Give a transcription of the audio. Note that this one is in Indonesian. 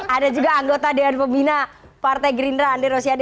ada juga anggota dengan pembina partai gerindra ander rosiade